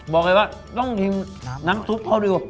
บอกเลยว่าต้องทิ้งน้ำซูปพอดีกว่า